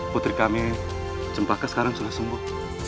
putri kami cempaka sekarang sudah sembuh